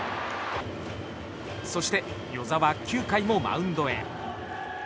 そして與座は９回もマウンドへ。